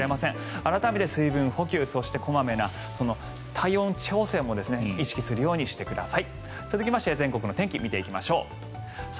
改めて小まめな水分補給、それから体温調整も意識するようにしてください。